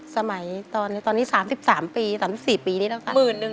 สมัยตอนตอนนี้๓๓ปีต่ำสิบปีนี่แล้วกัน